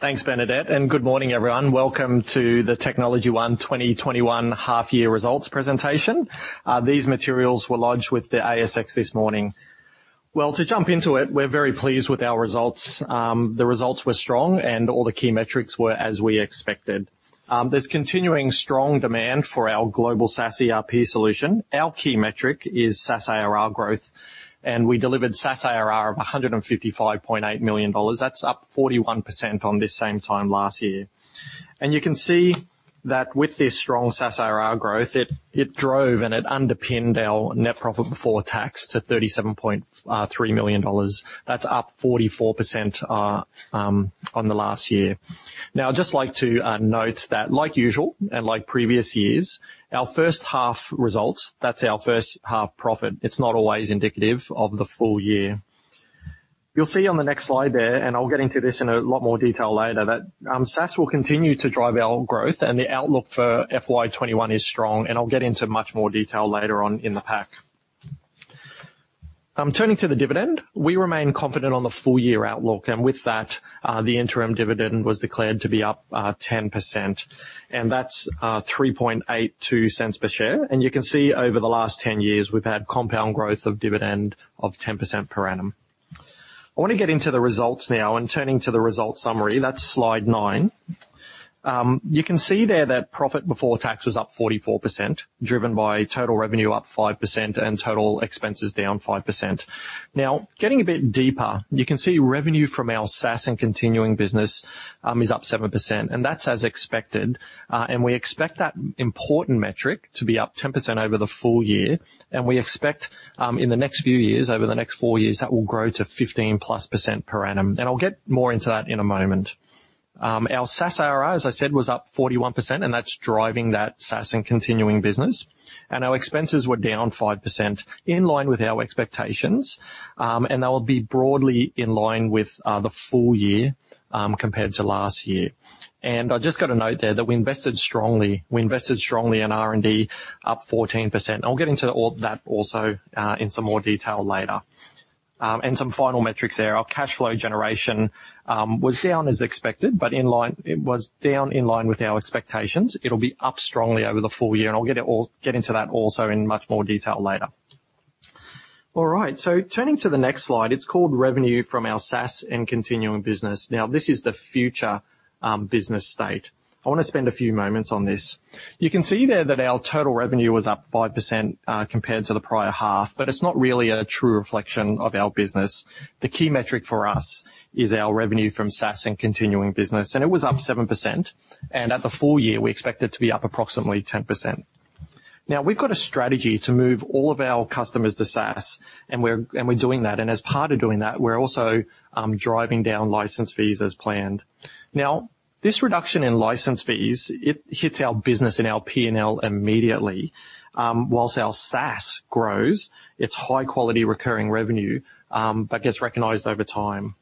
Thanks, Bernadette, and good morning, everyone. Welcome to the TechnologyOne 2021 Half Year Results Presentation. These materials were launched with the ASX this morning. Well, to jump into it, we're very pleased with our results. The results were strong. All the key metrics were as we expected. There's continuing strong demand for our global SaaS ERP solution. Our key metric is SaaS ARR growth. We delivered SaaS ARR of 155.8 million dollars. That's up 41% from the same time last year. You can see that with this strong SaaS ARR growth, it drove and it underpinned our net profit before tax to 37.3 million dollars. That's up 44% on the last year, I'd just like to note that like usual and like previous years, our first half results, that's our first half profit. It's not always indicative of the full year. You'll see on the next slide there, and I'll get into this in a lot more detail later, that SaaS will continue to drive our growth and the outlook for FY 2021 is strong, and I'll get into much more detail later on in the pack. Turning to the dividend, we remain confident on the full-year outlook, and with that, the interim dividend was declared to be up 10%, and that's 0.0382 per share. You can see over the last 10 years we've had compound growth of dividend of 10% per annum. I want to get into the results now and turning to the results summary, that's slide nine. You can see there that profit before tax was up 44%, driven by total revenue up 5% and total expenses down 5%. Getting a bit deeper, you can see revenue from our SaaS and continuing business is up 7%, and that's as expected. We expect that important metric to be up 10% over the full year. We expect, in the next few years, over the next four years, that will grow to 15%+ per annum. I'll get more into that in a moment. Our SaaS ARR, as I said, was up 41%, and that's driving that SaaS and continuing business. Our expenses were down 5% in line with our expectations. They'll be broadly in line with the full year, compared to last year. I've just got a note there that we invested strongly in R&D, up 14%. I'll get into that also in some more detail later. Some final metrics there-... our cash flow generation was down as expected, but it was down in line with our expectations. It'll be up strongly over the full year. I'll get into that also in much more detail later. All right, turning to the next slide, it's called revenue from our SaaS and continuing business. This is the future business state. I want to spend a few moments on this. You can see there that our total revenue was up 5% compared to the prior half, but it's not really a true reflection of our business. The key metric for us is our revenue from SaaS and continuing business, and it was up 7%. At the full year, we expect it to be up approximately 10%. We've got a strategy to move all of our customers to SaaS, and we're doing that. As part of doing that, we're also driving down license fees as planned. This reduction in license fees, it hits our business and our P&L immediately. Whilst our SaaS grows, it's high-quality recurring revenue that gets recognized over time.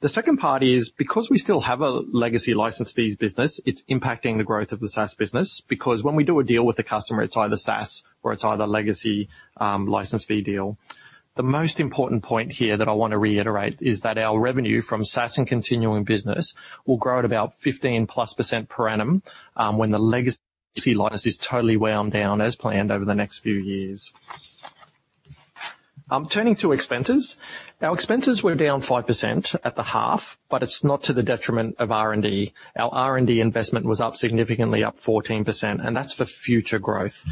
The second part is because we still have a legacy license fees business, it's impacting the growth of the SaaS business because when we do a deal with a customer, it's either SaaS or it's either legacy license fee deal. The most important point here that I want to reiterate is that our revenue from SaaS and continuing business will grow at about 15%+ per annum when the legacy license is totally wound down as planned over the next few years. Turning to expenses. Our expenses were down 5% at the half, but it's not to the detriment of R&D. Our R&D investment was up significantly, up 14%. That's for future growth.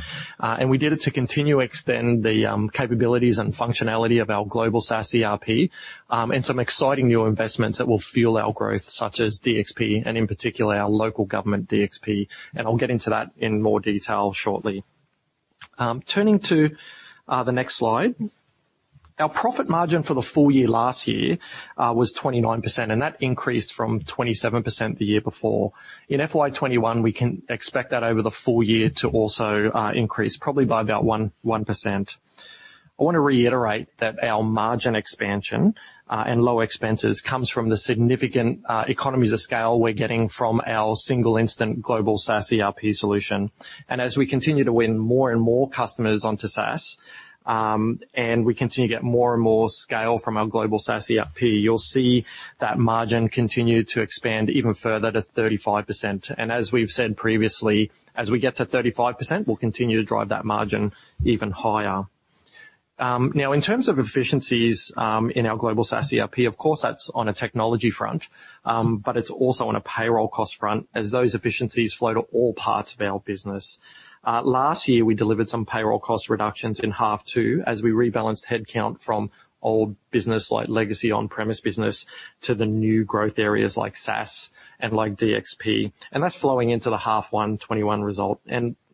We did it to continue to extend the capabilities and functionality of our global SaaS ERP, and some exciting new investments that will fuel our growth, such as DXP and in particular our local government DXP. I'll get into that in more detail shortly. Turning to the next slide. Our profit margin for the full year last year was 29%, and that increased from 27% the year before. In FY 2021, we can expect that over the full year to also increase probably by about 1%. I want to reiterate that our margin expansion and low expenses comes from the significant economies of scale we're getting from our single instant global SaaS ERP solution. As we continue to win more and more customers onto SaaS, and we continue to get more and more scale from our global SaaS ERP, you'll see that margin continue to expand even further to 35%. As we've said previously, as we get to 35%, we'll continue to drive that margin even higher. Now in terms of efficiencies in our global SaaS ERP, of course that's on a technology front, but it's also on a payroll cost front as those efficiencies flow to all parts of our business. Last year we delivered some payroll cost reductions in half two as we rebalanced headcount from old business like legacy on-premise business to the new growth areas like SaaS and like DXP. That's flowing into the half one 2021 result.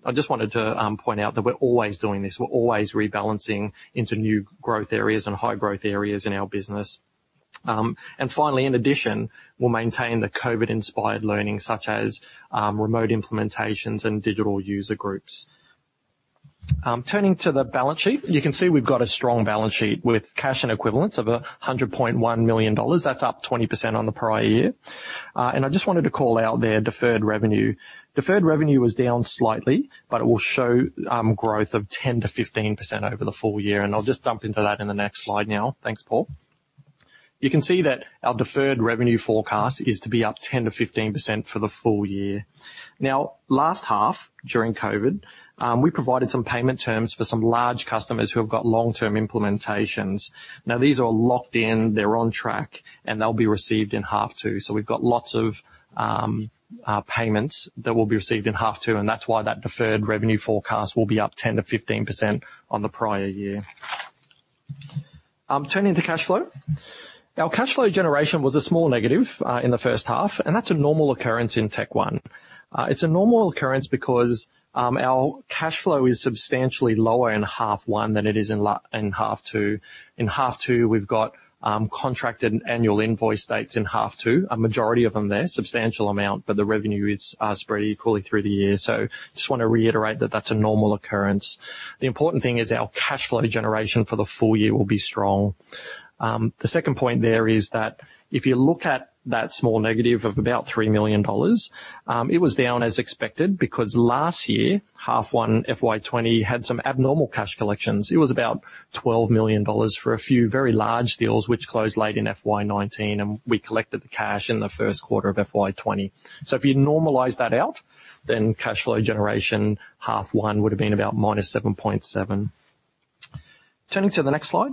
I just wanted to point out that we're always doing this. We're always rebalancing into new growth areas and high growth areas in our business. Finally, in addition, we'll maintain the COVID-inspired learning, such as remote implementations and digital user groups. Turning to the balance sheet. You can see we've got a strong balance sheet with cash and equivalents of 100.1 million dollars. That's up 20% on the prior year. I just wanted to call out there deferred revenue. Deferred revenue was down slightly, but it will show growth of 10%-15% over the full year. I'll just jump into that in the next slide now, thanks, Paul. You can see that our deferred revenue forecast is to be up 10%-15% for the full year. Now, last half, during COVID, we provided some payment terms for some large customers who have got long-term implementations. These are locked in, they're on track, and they'll be received in half two. We've got lots of payments that will be received in half two, and that's why that deferred revenue forecast will be up 10%-15% on the prior year. Turning to cash flow. Our cash flow generation was a small negative in the first half, and that's a normal occurrence in Tech1. It's a normal occurrence because our cash flow is substantially lower in half one than it is in half two. In half two, we've got contracted annual invoice dates in half two, a majority of them there, substantial amount, but the revenue is spread equally through the year. Just want to reiterate that that's a normal occurrence. The important thing is our cash flow generation for the full year will be strong. The second point there is that if you look at that small negative of about 3 million dollars, it was down as expected because last year, half one FY 2020 had some abnormal cash collections. It was about 12 million dollars for a few very large deals which closed late in FY 2019, and we collected the cash in the first quarter of FY 2020. If you normalize that out, then cash flow generation half one would have been about -7.7 million. Turning to the next slide.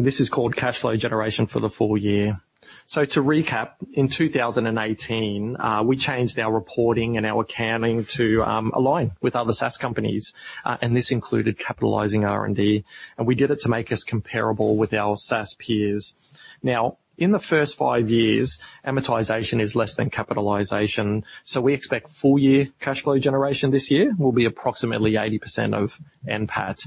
This is called cash flow generation for the full year. To recap, in 2018, we changed our reporting and our accounting to align with other SaaS companies, and this included capitalizing R&D. We did it to make us comparable with our SaaS peers. In the first five years, amortization is less than capitalization, we expect full-year cash flow generation this year will be approximately 80% of NPAT.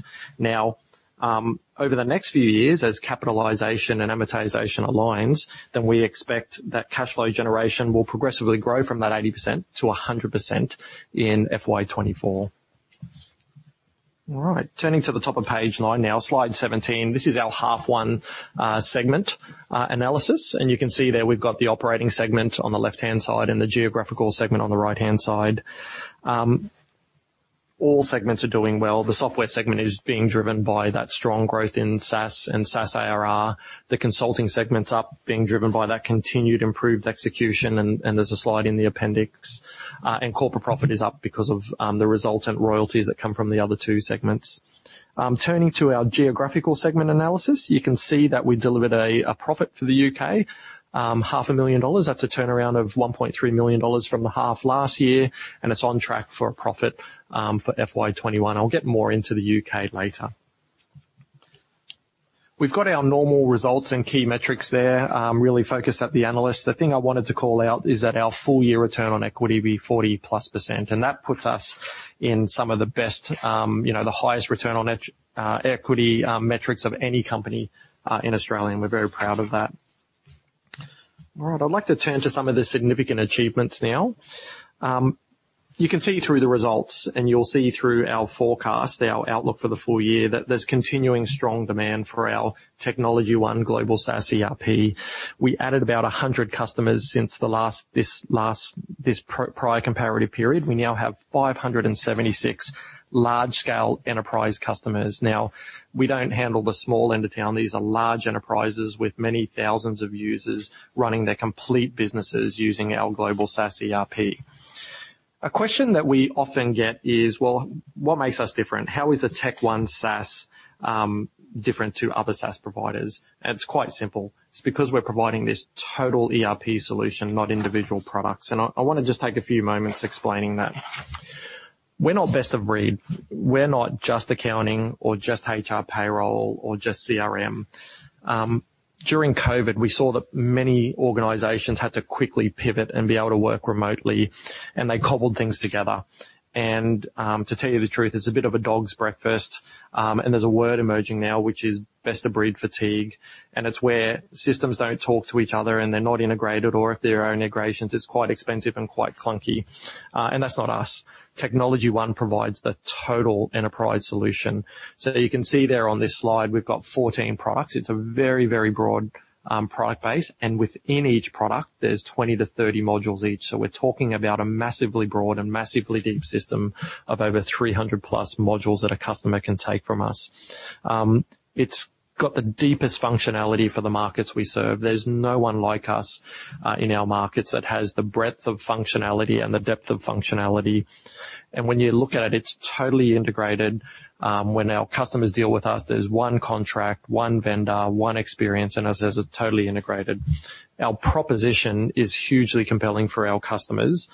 Over the next few years, as capitalization and amortization aligns, we expect that cash flow generation will progressively grow from that 80%-100% in FY 2024. All right, turning to the top of page nine now, slide 17. This is our half one segment analysis. You can see there we've got the operating segment on the left-hand side and the geographical segment on the right-hand side. All segments are doing well. The software segment is being driven by that strong growth in SaaS and SaaS ARR. The consulting segment's up being driven by that continued improved execution, and there's a slide in the appendix. Corporate profit is up because of the resultant royalties that come from the other two segments. Turning to our geographical segment analysis, you can see that we delivered a profit for the U.K., 500,000 dollars. That's a turnaround of 1.3 million dollars from the half last year, and it's on track for a profit for FY 2021. I'll get more into the U.K. later. We've got our normal results and key metrics there, really focused at the analyst. The thing I wanted to call out is that our full-year return on equity will be 40%+, and that puts us in some of the best, the highest return on equity metrics of any company in Australia, and we're very proud of that. All right. I'd like to turn to some of the significant achievements now. You can see through the results, and you'll see through our forecast, our outlook for the full year, that there's continuing strong demand for our TechnologyOne global SaaS ERP. We added about 100 customers since this prior comparative period. We now have 576 large-scale enterprise customers. We don't handle the small end of town. These are large enterprises with many thousands of users running their complete businesses using our global SaaS ERP. A question that we often get is, well, what makes us different? How is the Tech1 SaaS different to other SaaS providers? It's quite simple. It's because we're providing this total ERP solution, not individual products. I want to just take a few moments explaining that. We're not best of breed. We're not just accounting or just HR payroll or just CRM. During COVID, we saw that many organizations had to quickly pivot and be able to work remotely, and they cobbled things together. To tell you the truth, it's a bit of a dog's breakfast, and there's a word emerging now, which is best of breed fatigue. It's where systems don't talk to each other and they're not integrated, or if there are integrations, it's quite expensive and quite clunky, that's not us. TechnologyOne provides the total enterprise solution. You can see there on this slide, we've got 14 products. It's a very broad product base. Within each product, there's 20 to 30 modules each. We're talking about a massively broad and massively deep system of over 300-plus modules that a customer can take from us. It's got the deepest functionality for the markets we serve. There's no one like us in our markets that has the breadth of functionality and the depth of functionality. When you look at it's totally integrated. When our customers deal with us, there's one contract, one vendor, one experience, as I said, it's totally integrated. Our proposition is hugely compelling for our customers.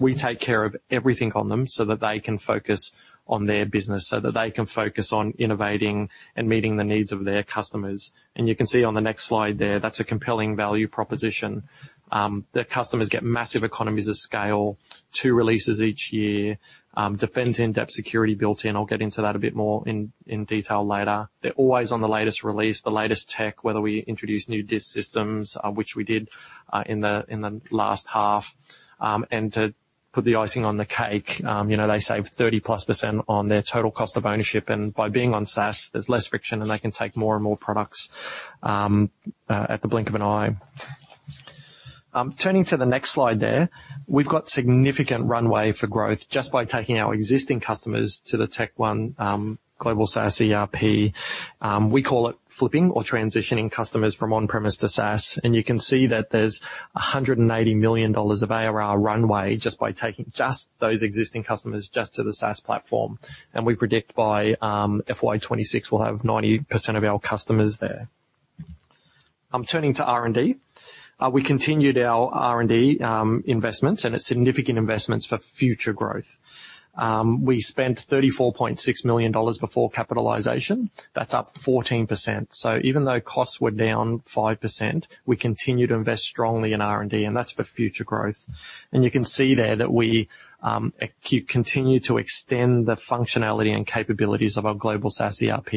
We take care of everything for them so that they can focus on their business, so that they can focus on innovating and meeting the needs of their customers. You can see on the next slide there, that's a compelling value proposition that customers get massive economies of scale, two releases each year, defense-in-depth security built in. I'll get into that a bit more in detail later. They're always on the latest release, the latest tech, whether we introduce new disk systems, which we did in the last half. To put the icing on the cake, they save 30%+ on their total cost of ownership. By being on SaaS, there's less friction and they can take more and more products at the blink of an eye. Turning to the next slide there. We've got significant runway for growth just by taking our existing customers to the Tech1 global SaaS ERP. We call it flipping or transitioning customers from on-premise to SaaS. You can see that there's 180 million dollars of ARR runway just by taking just those existing customers just to the SaaS platform. We predict by FY 2026 we'll have 90% of our customers there. Turning to R&D, we continued our R&D investments, and it's significant investments for future growth. We spent 34.6 million dollars before capitalization, that's up 14%. Even though costs were down 5%, we continue to invest strongly in R&D, that's for future growth. You can see there that we continue to extend the functionality and capabilities of our global SaaS ERP.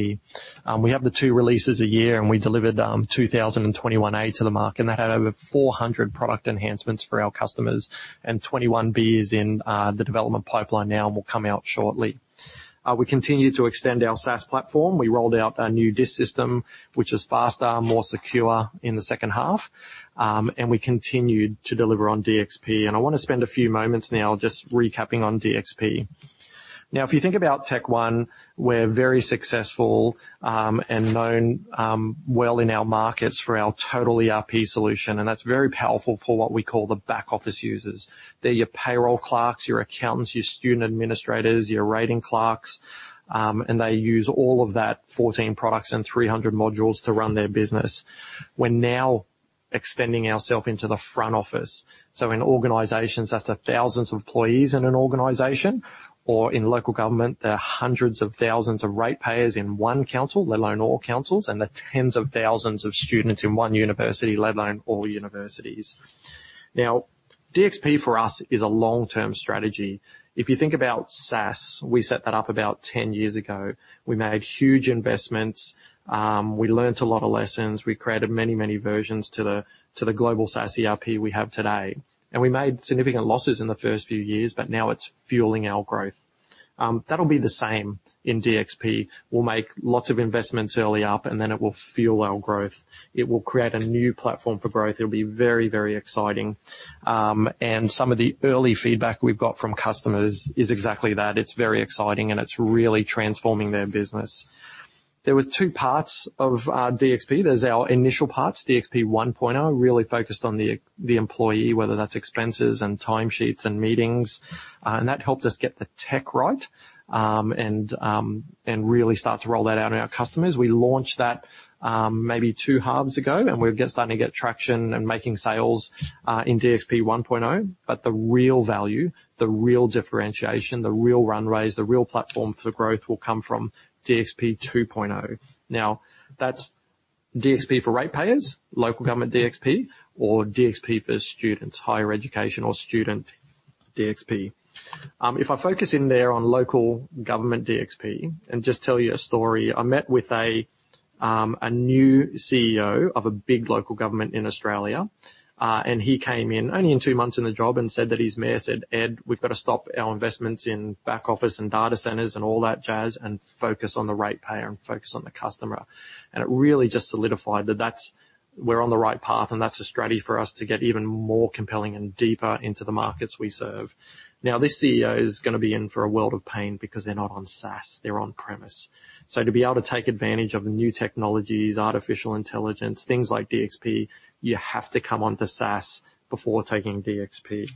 We have the two releases a year, and we delivered 2021A to the market and had over 400 product enhancements for our customers. 2021B is in the development pipeline now and will come out shortly. We continue to extend our SaaS platform, we rolled out our new disk system, which is faster and more secure in the second half. We continued to deliver on DXP. I want to spend a few moments now just recapping on DXP. Now, if you think about Tech1, we're very successful, and known well in our markets for our total ERP solution, and that's very powerful for what we call the back-office users. They're your payroll clerks, your accountants, your student administrators, your rating clerks, and they use all of that 14 products and 300 modules to run their business. We're now extending ourself into the front office. In organizations, that's the thousands of employees in an organization, or in local government, there are hundreds of thousands of ratepayers in one council, let alone all councils, and the tens of thousands of students in one university, let alone all universities. DXP for us is a long-term strategy. If you think about SaaS, we set that up about 10 years ago. We made huge investments. We learned a lot of lessons. We created many, many versions to the global SaaS ERP we have today. We made significant losses in the first few years, but now it's fueling our growth, that'll be the same in DXP. We'll make lots of investments early up, then it will fuel our growth. It will create a new platform for growth, it'll be very, very exciting. Some of the early feedback we've got from customers is exactly that. It's very exciting, and it's really transforming their business. There were two parts of DXP. There's our initial parts, DXP 1.0, really focused on the employee, whether that's expenses and timesheets and meetings. That helped us get the tech right, and really start to roll that out in our customers. We launched that maybe two halves ago, and we're just starting to get traction and making sales in DXP 1.0. The real value, the real differentiation, the real runways, the real platform for growth will come from DXP 2.0. That's DXP for ratepayers, Local Government DXP, or DXP for students, higher education or student DXP. If I focus in there on local government DXP and just tell you a story. I met with a new CEO of a big local government in Australia. He came in only in two months in the job and said that his mayor said, "Ed, we've got to stop our investments in back office and data centers and all that jazz, and focus on the ratepayer and focus on the customer." It really just solidified that we're on the right path, and that's a strategy for us to get even more compelling and deeper into the markets we serve. Now, this CEO is going to be in for a world of pain because they're not on SaaS, they're on-premise. To be able to take advantage of new technologies, artificial intelligence, things like DXP, you have to come onto SaaS before taking DXP.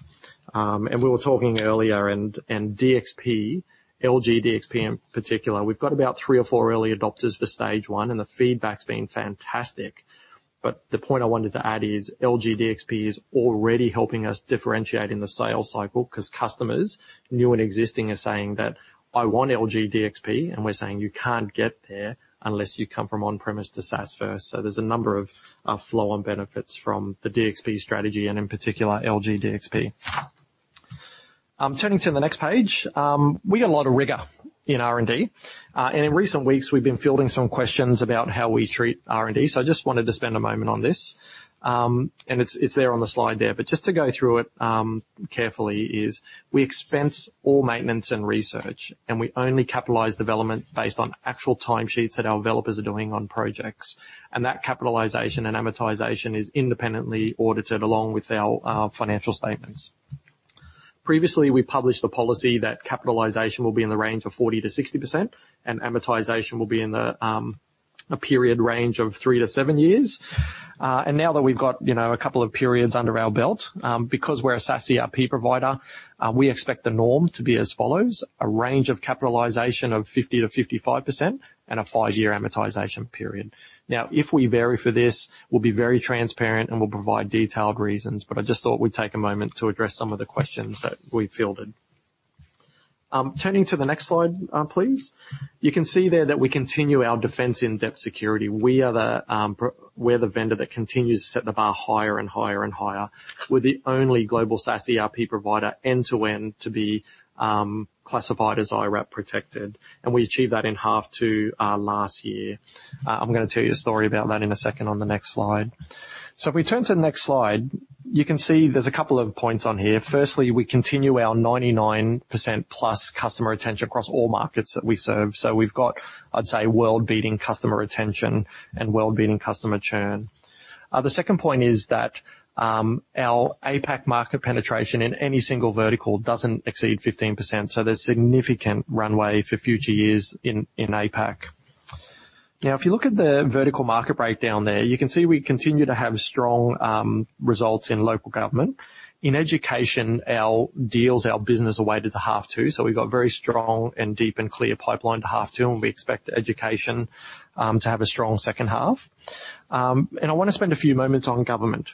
We were talking earlier, DXP LG in particular, we've got about three or four early adopters for stage one, and the feedback's been fantastic. The point I wanted to add is DXP LG is already helping us differentiate in the sales cycle because customers, new and existing, are saying that, "I want DXP LG," and we're saying, "You can't get there unless you come from on-premise to SaaS first." There's a number of flow-on benefits from the DXP strategy, and in particular, DXP LG. Turning to the next page, we got a lot of rigor in R&D. In recent weeks, we've been fielding some questions about how we treat R&D, I just wanted to spend a moment on this. It's there on the slide there. Just to go through it carefully is we expense all maintenance and research, and we only capitalize development based on actual timesheets that our developers are doing on projects. That capitalization and amortization is independently audited along with our financial statements. Previously, we published a policy that capitalization will be in the range of 40%-60%, and amortization will be in the period range of three to seven years. Now that we've got a couple of periods under our belt, because we're a SaaS ERP provider, we expect the norm to be as follows: a range of capitalization of 50%-55% and a five-year amortization period. If we vary for this, we'll be very transparent, and we'll provide detailed reasons, but I just thought we'd take a moment to address some of the questions that we fielded. Turning to the next slide, please. You can see there that we continue our defense in-depth security. We're the vendor that continues to set the bar higher and higher and higher. We're the only global SaaS ERP provider end-to-end to be classified as IRAP protected, and we achieved that in half two last year. I'm going to tell you a story about that in a second on the next slide. If we turn to the next slide, you can see there's a couple of points on here. Firstly, we continue our 99%+ customer retention across all markets that we serve. We've got, I'd say, world-beating customer retention and world-beating customer churn. The second point is that our APAC market penetration in any single vertical doesn't exceed 15%, so there's significant runway for future years in APAC. If you look at the vertical market breakdown there, you can see we continue to have strong results in Local Government. In education, our deals, our business are weighted to half two, so we've got very strong and deep and clear pipeline to half two, and we expect education to have a strong second half. I want to spend a few moments on government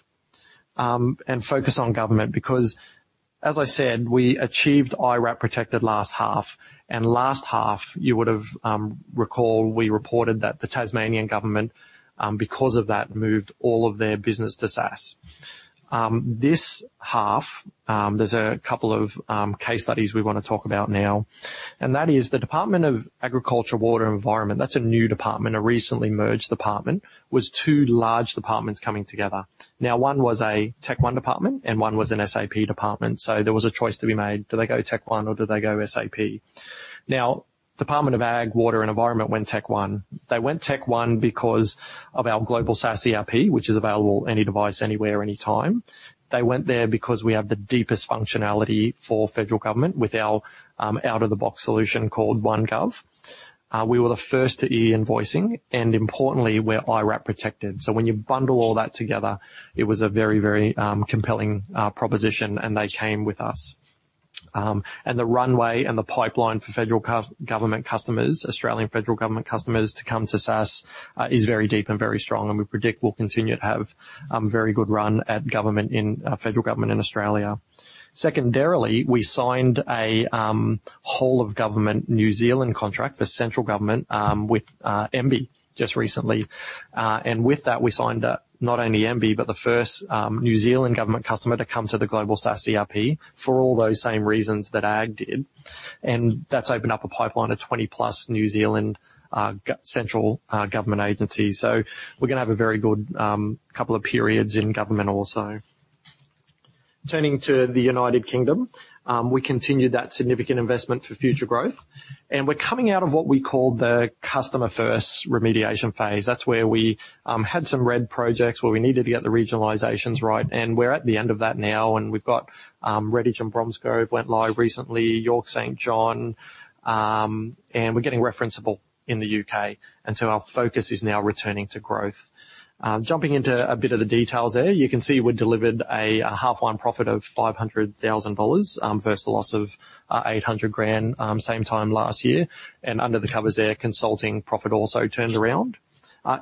and focus on government because, as I said, we achieved IRAP protected last half. Last half, you would've recalled, we reported that the Tasmanian Government, because of that, moved all of their business to SaaS. This half, there's a couple of case studies we want to talk about now, and that is the Department of Agriculture, Water and the Environment. That's a new department, a recently merged department, was two large departments coming together. One was a Tech1 department and one was an SAP department. There was a choice to be made. Do they go Tech1 or do they go SAP? Department of Agriculture, Water and the Environment went Tech1. They went Tech1 because of our global SaaS ERP, which is available on any device, anywhere, anytime. They went there because we have the deepest functionality for federal government with our out-of-the-box solution called OneGov. We were the first to e-invoicing, and importantly, we're IRAP protected. When you bundle all that together, it was a very compelling proposition, and they came with us. The runway and the pipeline for Australian federal government customers to come to SaaS is very deep and very strong, and we predict we'll continue to have a very good run at federal government in Australia. Secondarily, we signed a whole-of-government New Zealand contract for central government with MBIE just recently. With that, we signed up not only MBIE, but the first New Zealand government customer to come to the global SaaS ERP for all those same reasons that Ag did, and that's opened up a pipeline of 20 plus New Zealand central government agencies. We're going to have a very good couple of periods in government also. Turning to the United Kingdom, we continued that significant investment for future growth, and we're coming out of what we call the customer-first remediation phase. That's where we had some red projects where we needed to get the regionalization's right, and we're at the end of that now, and we've got Redditch and Bromsgrove went live recently, York St John, and we're getting referenceable in the U.K., and our focus is now returning to growth. Jumping into a bit of the details there. You can see we delivered a half line profit of 500,000 dollars versus a loss of 800,000 same time last year. Under the covers there, consulting profit also turned around.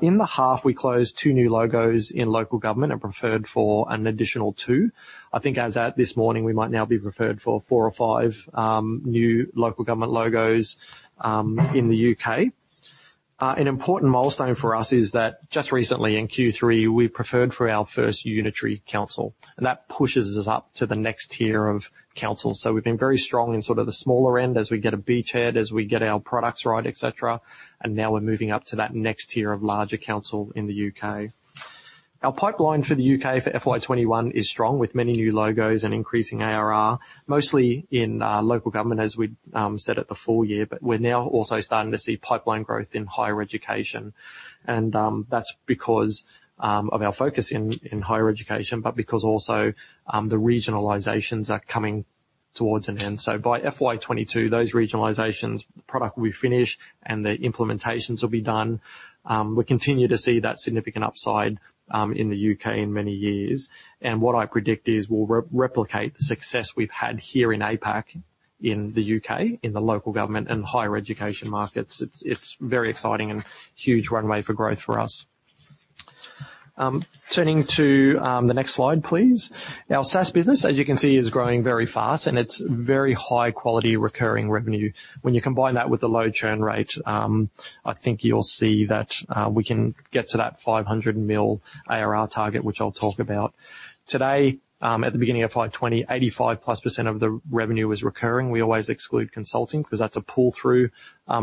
In the half, we closed two new logos in local government and preferred for an additional two. I think as at this morning, we might now be preferred for four or five new local government logos in the U.K. An important milestone for us is that just recently in Q3, we preferred for our first unitary council, and that pushes us up to the next tier of council. We've been very strong in sort of the smaller end as we get a beachhead, as we get our products right, et cetera, and now we're moving up to that next tier of larger council in the U.K. Our pipeline for the U.K. for FY 2021 is strong with many new logos and increasing ARR, mostly in Local Government as we said at the full year. We're now also starting to see pipeline growth in Higher Education, and that's because of our focus in Higher Education, but because also the regionalization's are coming towards an end. By FY 2022, those regionalization's product will be finished, and the implementations will be done. We continue to see that significant upside in the U.K. in many years. What I predict is we'll replicate the success we've had here in APAC in the U.K. in the Local Government and Higher Education markets. It's very exciting and huge runway for growth for us. Turning to the next slide, please. Our SaaS business, as you can see, is growing very fast, and it's very high quality recurring revenue. When you combine that with the low churn rate, I think you'll see that we can get to that 500 million ARR target, which I'll talk about. Today, at the beginning of FY 2020, 85%+ of the revenue is recurring. We always exclude consulting because that's a pull-through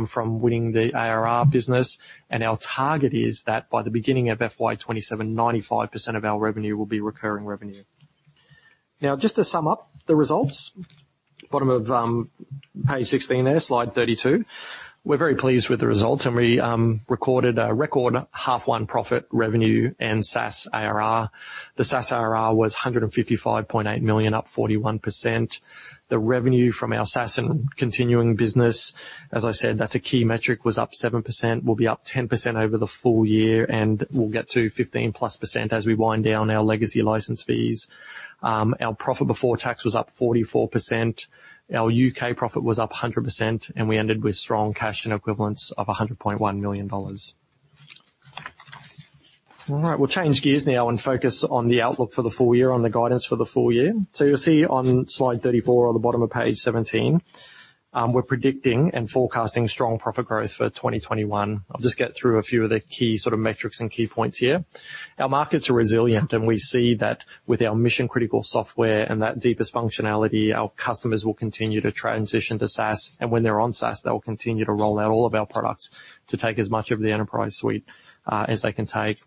from winning the ARR business. Our target is that by the beginning of FY 2027, 95% of our revenue will be recurring revenue. Now, just to sum up the results, bottom of page 16 there, slide 32. We're very pleased with the results, and we recorded a record half line profit revenue and SaaS ARR. The SaaS ARR was 155.8 million, up 41%. The revenue from our SaaS and continuing business, as I said, that's a key metric, was up 7%, will be up 10% over the full year, and we'll get to 15%+ as we wind down our legacy license fees. Our profit before tax was up 44%. Our U.K. profit was up 100%, and we ended with strong cash and equivalents of 100.1 million dollars. All right, we'll change gears now and focus on the outlook for the full year on the guidance for the full year. You'll see on slide 34 on the bottom of page 17, we're predicting and forecasting strong profit growth for 2021. I'll just get through a few of the key sort of metrics and key points here. Our markets are resilient, and we see that with our mission-critical software and that deepest functionality, our customers will continue to transition to SaaS. When they're on SaaS, they'll continue to roll out all of our products to take as much of the enterprise suite as they can take.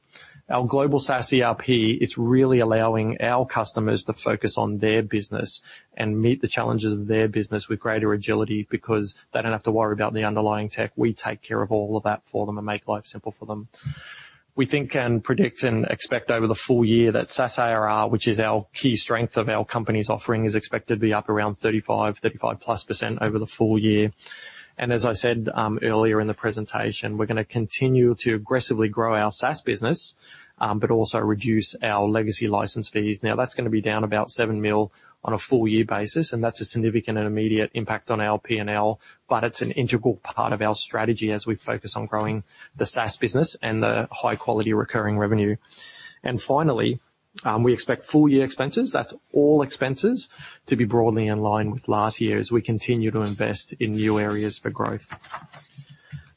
Our global SaaS ERP is really allowing our customers to focus on their business and meet the challenges of their business with greater agility because they don't have to worry about the underlying tech. We take care of all of that for them and make life simple for them. We think and predict and expect over the full year that SaaS ARR, which is our key strength of our company's offering, is expected to be up around 35%, 35%+ over the full year. As I said earlier in the presentation, we're going to continue to aggressively grow our SaaS business, but also reduce our legacy license fees. That's going to be down about 7 million on a full year basis, and that's a significant immediate impact on our P&L, but it's an integral part of our strategy as we focus on growing the SaaS business and the high-quality recurring revenue. Finally, we expect full year expenses, that's all expenses, to be broadly in line with last year as we continue to invest in new areas for growth.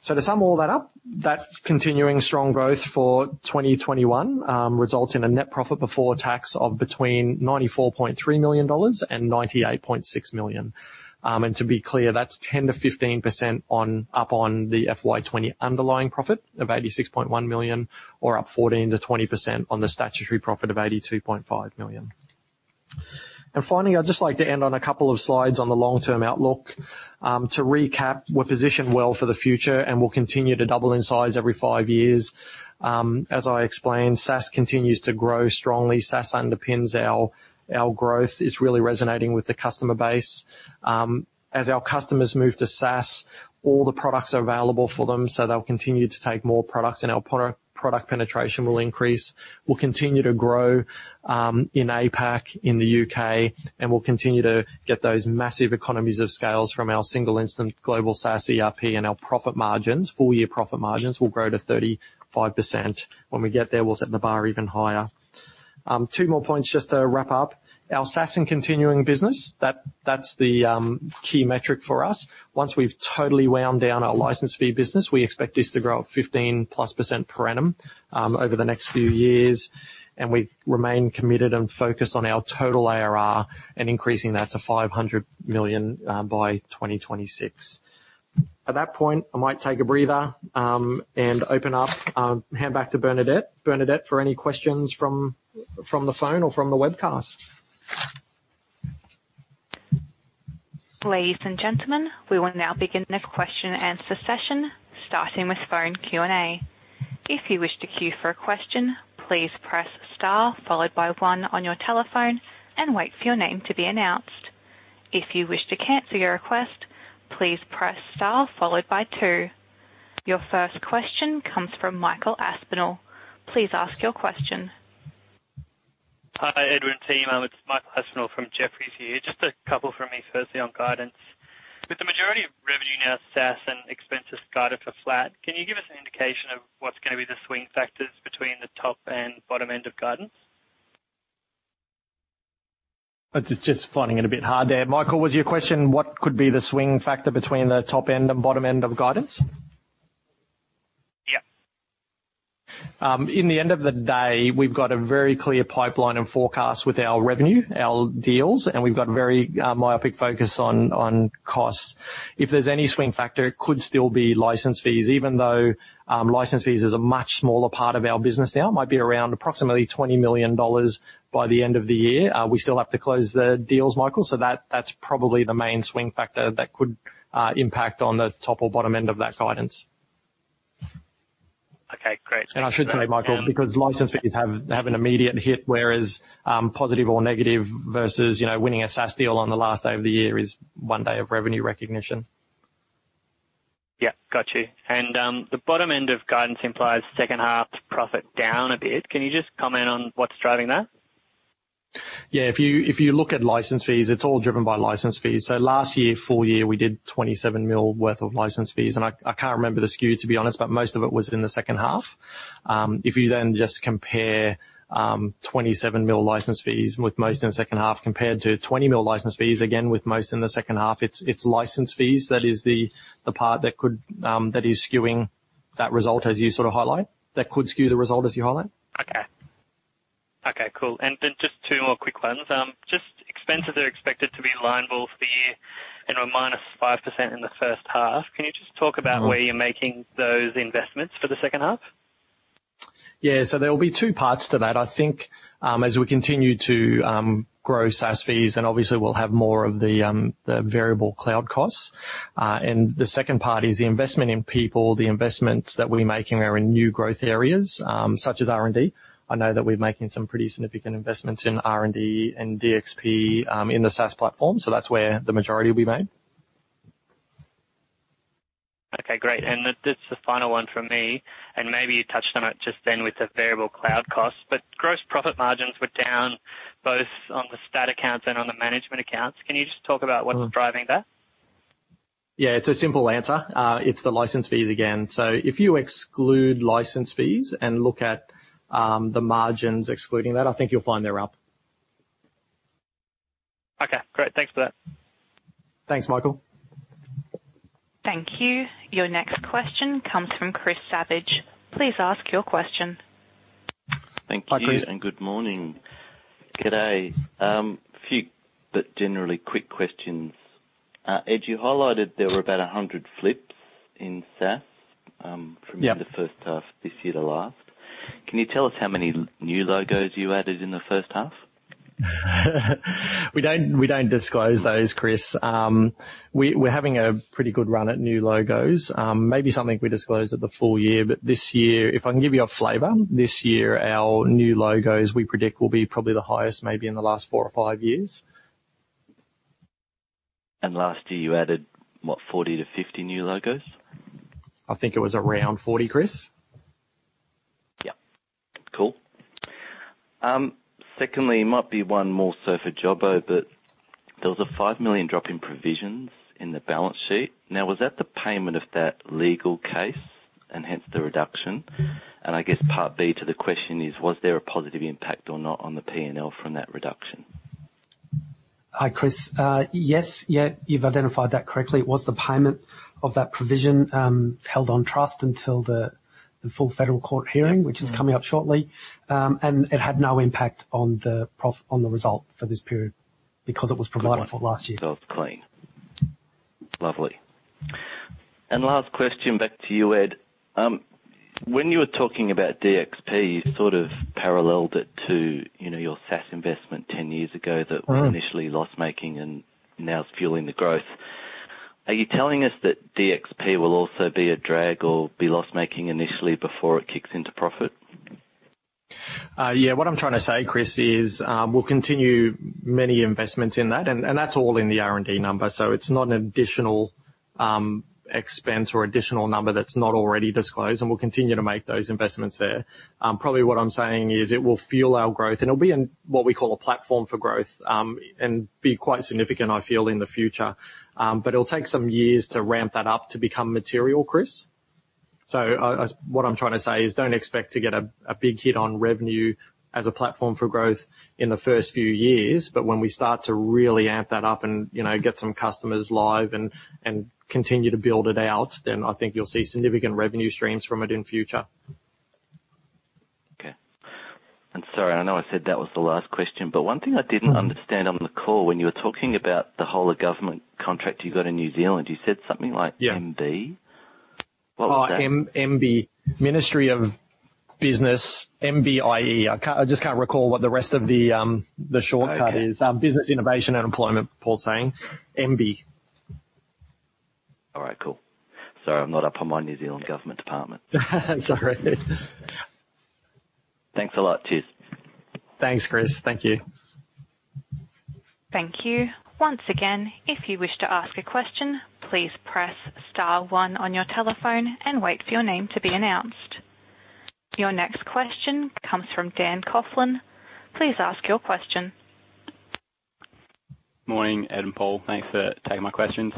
To sum all that up, that continuing strong growth for 2021 results in a net profit before tax of between 94.3 million dollars and 98.6 million. To be clear, that's 10%-15% up on the FY 2020 underlying profit of 86.1 million, or up 14%-20% on the statutory profit of 82.5 million. Finally, I'd just like to end on a couple of slides on the long-term outlook. To recap, we're positioned well for the future, and we'll continue to double in size every five years. As I explained, SaaS continues to grow strongly. SaaS underpins our growth. It's really resonating with the customer base. As our customers move to SaaS, all the products are available for them, so they'll continue to take more products, and our product penetration will increase. We'll continue to grow in APAC, in the U.K., and we'll continue to get those massive economies of scales from our single instance global SaaS ERP and our profit margins. Full year profit margins will grow to 35%. When we get there, we'll set the bar even higher. Two more points just to wrap up. Our SaaS and continuing business, that's the key metric for us. Once we've totally wound down our license fee business, we expect this to grow at 15%+ per annum over the next few years, and we remain committed and focused on our total ARR and increasing that to 500 million by 2026. At that point, I might take a breather and open up, hand back to Bernadette. Bernadette, for any questions from the phone or from the webcast. Ladies and gentlemen, we will now begin the question-and-answer session, starting with phone Q&A. If you wish to queue for a question, please press star followed by one on your telephone and wait for your name to be announced. If you wish to cancel your request, please press star followed by two. Your first question comes from Mike Aspinall, please ask your question. Hi, Edward and team, it's Mike Aspinall from Jefferies here. Just a couple from me firstly on guidance. With the majority of revenue now SaaS and expenses guided for flat, can you give us an indication of what's going to be the swing factors between the top and bottom end of guidance? I was just floating it a bit hard there. Mike, was your question what could be the swing factor between the top end and bottom end of guidance? Yeah. In the end of the day, we've got a very clear pipeline and forecast with our revenue, our deals, and we've got a very myopic focus on costs. If there's any swing factor, it could still be license fees, even though license fees is a much smaller part of our business now. It might be around approximately 20 million dollars by the end of the year. We still have to close the deals, Michael, so that's probably the main swing factor that could impact on the top or bottom end of that guidance. Okay, great. I should say, Michael, because license fees have an immediate hit, whereas positive or negative versus winning a SaaS deal on the last day of the year is one day of revenue recognition. Yeah, got you. The bottom end of guidance implies second half profit down a bit. Can you just comment on what's driving that? If you look at license fees, it's all driven by license fees. Last year, full year, we did 27 million worth of license fees. I can't remember the skew, to be honest, but most of it was in the second half. If you just compare 27 million license fees with most in the second half compared to 20 million license fees, again, with most in the second half, it's license fees that is the part that is skewing that result, as you highlight. That could skew the result, as you highlight. Okay, cool, just two more quick ones. Just expenses are expected to be line ball for year and are -5% in the first half. Can you just talk about where you're making those investments for the second half? Yeah, there'll be two parts to that. I think as we continue to grow SaaS fees, then obviously we'll have more of the variable cloud costs. The second part is the investment in people, the investments that we make in our new growth areas, such as R&D. I know that we're making some pretty significant investments in R&D and DXP in the SaaS platform, so that's where the majority will be made. Okay, great, and this is the final one from me, and maybe you touched on it just then with the variable cloud cost, but gross profit margins were down both on the stat accounts and on the management accounts. Can you just talk about what's driving that? Yeah, it's a simple answer. It's the license fees again, if you exclude license fees and look at the margins excluding that, I think you'll find they're up. Okay, great, thanks for that. Thanks, Michael. Thank you, your next question comes from Chris Savage, please ask your question. Hi, Chris. Thank you, and good morning. G'day, a few, generally quick questions. As you highlighted, there were about 100 flips in SaaS- Yeah.... from the first half this year to last. Can you tell us how many new logos you added in the first half? We don't disclose those, Chris. We're having a pretty good run at new logos. Maybe something we disclose at the full year. This year, if I can give you a flavor, this year, our new logos, we predict, will be probably the highest maybe in the last four or five years. Last year you added, what? 40-50 new logos? I think it was around 40, Chris. Yep, cool. Secondly, it might be one more so for Jobo, but there was a 5 million drop in provisions in the balance sheet. Was that the payment of that legal case and hence the reduction? I guess part B to the question is, was there a positive impact or not on the P&L from that reduction? Hi, Chris. Yes, you've identified that correctly. It was the payment of that provision. It's held on trust until the full federal court hearing, which is coming up shortly. It had no impact on the result for this period because it was provided for last year. Wonderful, lovely, and last question back to you, Ed. When you were talking about DXP, you sort of paralleled it to your SaaS investment 10 years ago that was initially loss-making and now is fueling the growth. Are you telling us that DXP will also be a drag or be loss-making initially before it kicks into profit? Yeah, what I'm trying to say, Chris, is we'll continue many investments in that, and that's all in the R&D number. It's not an additional expense or additional number that's not already disclosed, and we'll continue to make those investments there. Probably what I'm saying is it will fuel our growth, and it'll be in what we call a platform for growth, and be quite significant, I feel, in the future. It'll take some years to ramp that up to become material, Chris. What I'm trying to say is don't expect to get a big hit on revenue as a platform for growth in the first few years. When we start to really amp that up and get some customers live and continue to build it out, then I think you'll see significant revenue streams from it in future. Okay, sorry, I know I said that was the last question. One thing I didn't understand on the call, when you were talking about the whole of government contract you got in New Zealand, you said something like MBIE, what was that? MBIE, Ministry of Business, MBIE. I just can't recall what the rest of the shortcut is- Okay.... Business Innovation Employment, Paul's saying, MBIE. All right, cool. Sorry, I'm not up on my New Zealand government departments. Sorry. Thanks a lot, cheers. Thanks, Chris, thank you. Thank you, once again, if you wish to ask a question, please press star one on your telephone, and wait for your name to be announced. Your next question comes from Dan Coughlin, please ask your question. Morning, Ed and Paul, thanks for taking my questions.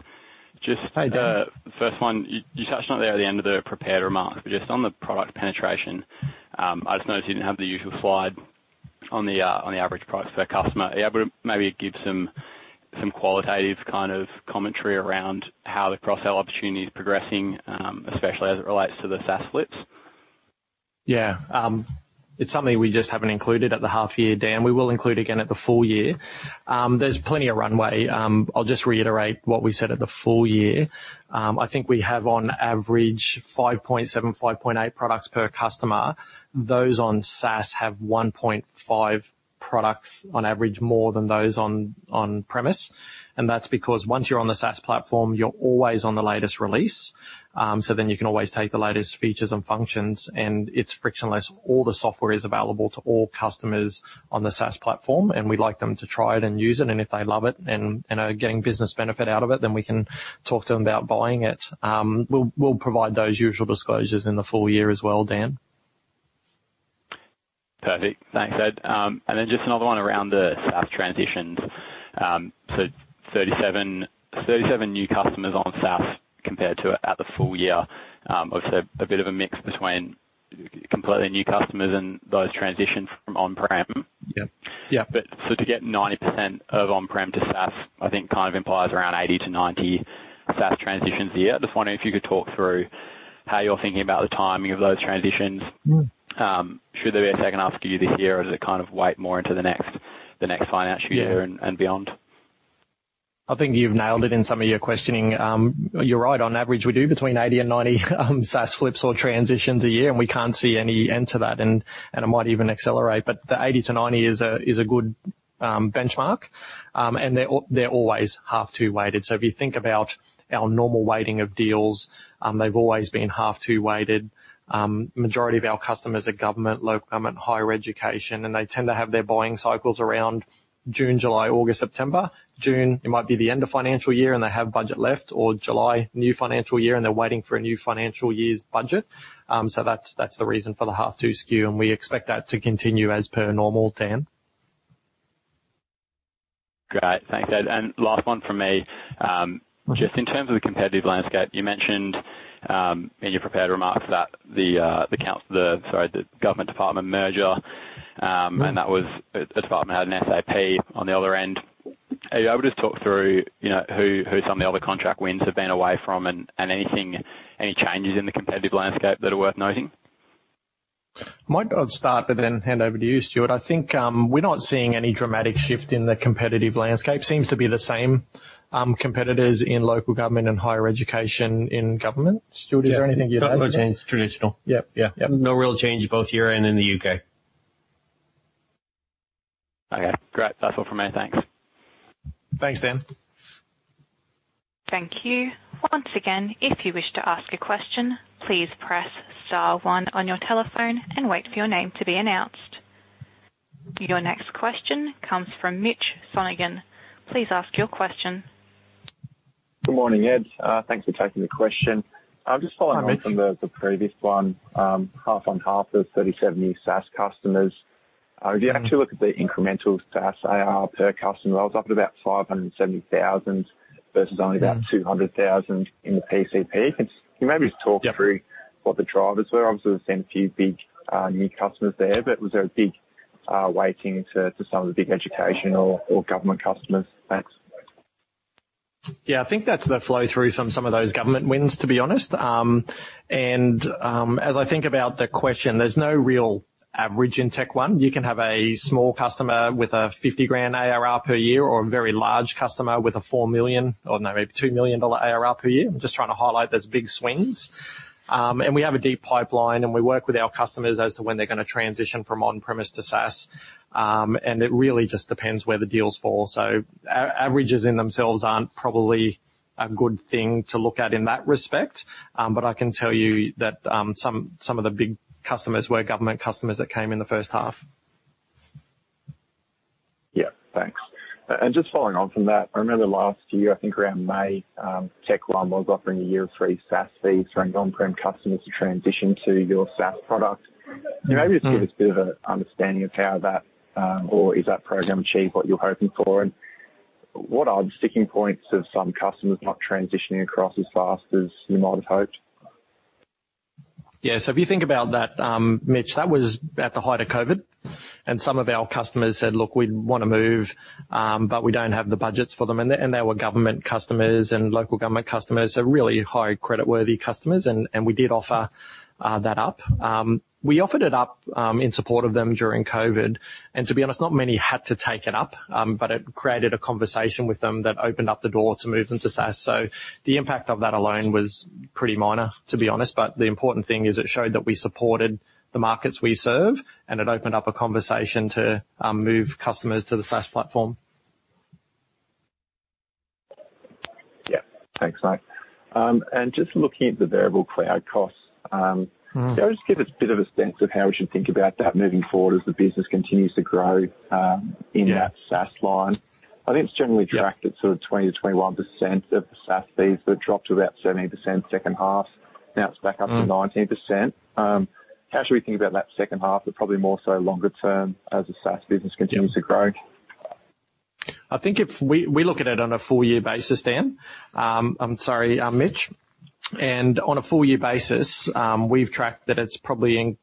Just the first one, you touched on it at the end of the prepared remarks, just on the product penetration, I just noticed you didn't have the usual slide on the average price per customer. Are you able maybe give some qualitative kind of commentary around how the cross-sell opportunity is progressing, especially as it relates to the SaaS flips? Yeah, it's something we just haven't included at the half year, Dan. We will include again at the full year. There's plenty of runway. I'll just reiterate what we said at the full year. I think we have on average 5.7, 5.8 products per customer. Those on SaaS have 1.5 products on average, more than those on premise. That's because once you're on the SaaS platform, you're always on the latest release. You can always take the latest features and functions, and it's frictionless. All the software is available to all customers on the SaaS platform, and we'd like them to try it and use it. If they love it and are getting business benefit out of it, then we can talk to them about buying it. We'll provide those usual disclosures in the full year as well, Dan. Perfect, thanks, Ed. Just another one around the SaaS transitions. 37 new customers on SaaS compared to at the full year. Obviously a bit of a mix between completely new customers and those transitions from on-prem. Yep. To get 90% of on-prem to SaaS, I think kind of implies around 80%-90% SaaS transitions a year. Just wondering if you could talk through how you're thinking about the timing of those transitions. Should they be taken after this year or do they kind of weight more into the next financial year and beyond? I think you've nailed it in some of your questioning. You're right, on average, we do between 80% and 90% SaaS flips or transitions a year, and we can't see any end to that, and it might even accelerate. But the 80%-90% is a good benchmark. They're always half two weighted. If you think about our normal weighting of deals, they've always been half two weighted. Majority of our customers are government, local government, higher education, and they tend to have their buying cycles around June, July, August, September. June, it might be the end of financial year, and they have budget left, or July, new financial year, and they're waiting for a new financial year's budget. That's the reason for the half two skew, and we expect that to continue as per normal, Dan. Great, thanks, Ed. Last one from me, just in terms of the competitive landscape, you mentioned in your prepared remarks about the government department merger, and that was a department had an SAP on the other end. Are you able to talk through who some of the other contract wins have been away from and any changes in the competitive landscape that are worth noting? Might go and start, but then hand over to you, Stuart. I think we're not seeing any dramatic shift in the competitive landscape. Seems to be the same competitors in local government and higher education in government. Stuart, is there anything you'd add to that? No change, traditional, yep. Yeah. No real change, both here and in the U.K. Okay, great. That's all from me, thanks. Thanks, Dan. Thank you, once again, if you wish to ask a question, please press star one on your telephone and wait for your name to be announced. Your next question comes from Mitchell Sonogan, please ask your question. Good morning, Ed. Thanks for taking the question. Just following on from the previous one, half on half of 37 new SaaS customers. If you actually look at the incremental SaaS ARR per customer, it was up about 570,000 versus only about 200,000 in the PCP. Can you maybe just talk through what the drivers are? Obviously, there's been a few big new customers there, but was there a big weighting to some of the big education or government customers? Thanks. Yeah, I think that's the flow through some of those government wins, to be honest. As I think about the question, there's no real average in Tech1. You can have a small customer with a 50,000 ARR per year or a very large customer with a 2 million dollar ARR per year, just trying to highlight those big swings. We have a deep pipeline, and we work with our customers as to when they're going to transition from on-premise to SaaS. It really just depends where the deals fall. Averages in themselves aren't probably a good thing to look at in that respect. I can tell you that some of the big customers were government customers that came in the first half. Yeah, thanks. Just following on from that, I remember last year, I think around May, Tech1 was offering a year of free SaaS fees for on-prem customers to transition to your SaaS product. Can I just get a bit of an understanding of how that, or is that program achieved what you were hoping for? What are the sticking points of some customers not transitioning across as fast as you might have hoped? Yeah, if you think about that, Mitch, that was at the height of COVID, and some of our customers said, "Look, we want to move, but we don't have the budgets for them." They were government customers and local government customers, really high creditworthy customers. We did offer that up. We offered it up in support of them during COVID. To be honest, not many had to take it up. It created a conversation with them that opened up the door to move them to SaaS. The impact of that alone was pretty minor, to be honest. The important thing is it showed that we supported the markets we serve, and it opened up a conversation to move customers to the SaaS platform. Yeah, thanks, mate. Just looking at the variable cloud costs, can I just get a bit of a sense of how we should think about that moving forward as the business continues to grow in that SaaS line? I think it's generally tracked at 20%-21% of the SaaS fees, but it dropped to about 17% second half. Now it's back up to 19%. How should we think about that second half and probably more so longer term as the SaaS business continues to grow? We look at it on a full year basis. I'm sorry, Mitch. On a full year basis, we've tracked that it's probably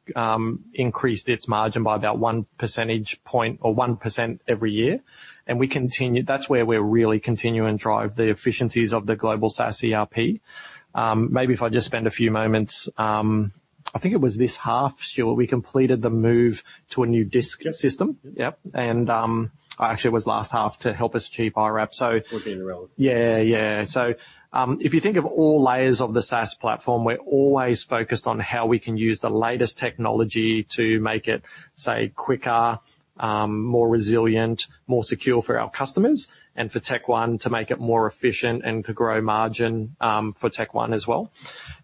increased its margin by about one percentage point or 1% every year. That's where we really continue and drive the efficiencies of the global SaaS ERP. Maybe if I just spend a few moments. I think it was this half, Stuart, we completed the move to a new disk system. Yep. Actually, it was last half to help us achieve IRAP. Okay. Yeah, yeah, if you think of all layers of the SaaS platform, we're always focused on how we can use the latest technology to make it, say, quicker, more resilient, more secure for our customers and for Tech1 to make it more efficient and to grow margin for Tech1 as well.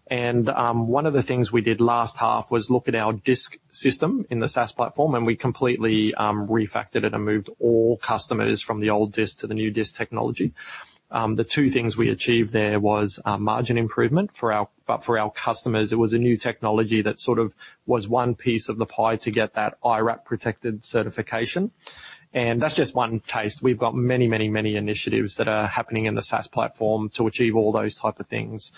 One of the things we did last half was look at our disk system in the SaaS platform, and we completely refactored it and moved all customers from the old disk to the new disk technology. The two things we achieved there was a margin improvement for our customers. It was a new technology that was one piece of the pie to get that IRAP protected certification. That's just one case. We've got many initiatives that are happening in the SaaS platform to achieve all those type of things.